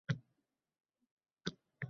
Аssalom, farishtalar!